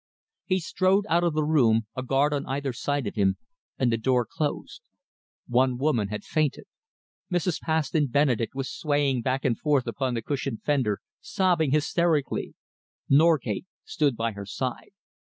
He strode out of the room, a guard on either side of him and the door closed. One woman had fainted. Mrs. Paston Benedek was swaying back and forth upon the cushioned fender, sobbing hysterically. Norgate stood by her side.